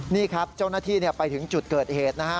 นี่ครับเจ้าหน้าที่ไปถึงจุดเกิดเหตุนะฮะ